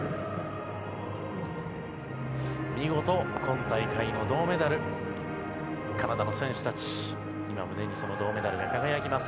見事、今大会の銅メダルカナダの選手たち今、胸にその銅メダルが輝きます。